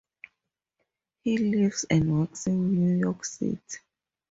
He lives and works in New York City.